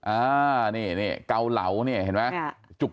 อ่านี่เกาเหลาเนี่ยเห็นไหม